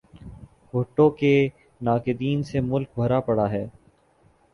بھٹو کے ناقدین سے ملک بھرا پڑا ہے۔